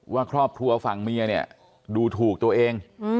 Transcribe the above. ว่าครอบครัวฝั่งเมียเนี่ยดูถูกตัวเอง